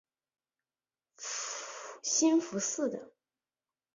兴福寺的。